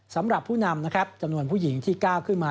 สำหรับผู้นำนะครับจำนวนผู้หญิงที่ก้าวขึ้นมา